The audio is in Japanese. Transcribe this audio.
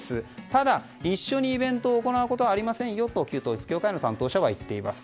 ただ一緒にイベントを行うことはありませんよと旧統一教会の担当者は言っています。